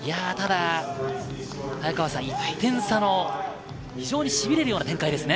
早川さん、１点差の非常にしびれるような展開ですね。